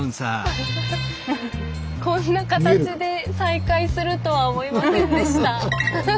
こんな形で再会するとは思いませんでした。